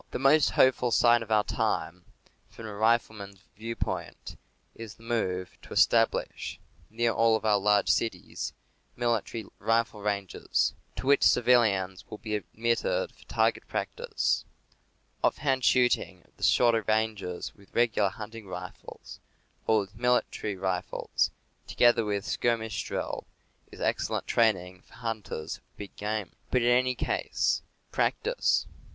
The most hopeful sign of our time, from a rifleman's viewpoint, is the move to establish, near all of our large cities, military rifle ranges, to which civilians will be admitted for target practice. Ofi'hand shooting at the shorter ranges with regular hunting rifles, or with military rifles, together with skirmish drill, is excellent training for hunters of big game. But in any case, practice!